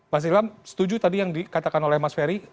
mas irwan setuju tadi yang dikatakan oleh mas ferry